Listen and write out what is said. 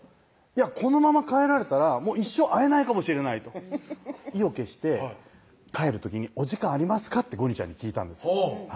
このまま帰られたら一生会えないかもしれないと意を決して帰る時に「お時間ありますか？」ってゴニちゃんに聞いたんです